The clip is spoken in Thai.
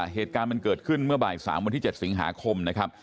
เหตุการณ์มันเกิดขึ้นเมื่อบ่าย๓วันที่๗สิงหาคมนะครับ